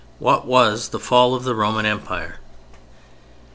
III WHAT WAS THE "FALL" OF THE ROMAN EMPIRE?